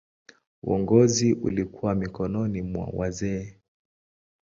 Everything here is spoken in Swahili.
Uongozi ulikuwa mikononi mwa wazee.